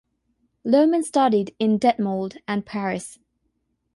Lohmann studied in Detmold and Paris.